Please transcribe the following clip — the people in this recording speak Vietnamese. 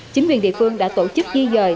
chính quyền địa phương đã tổ chức di dời